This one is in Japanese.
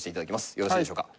よろしいでしょうか？